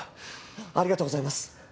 ありがとうございます。